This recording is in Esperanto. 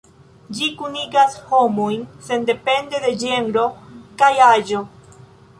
Ĝi kunigas homojn sendepende de ĝenro kaj aĝo.